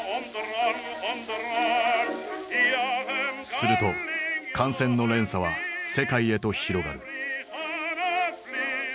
すると感染の連鎖は世界へと広がる。